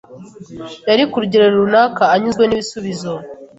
Yari, ku rugero runaka, anyuzwe n'ibisubizo.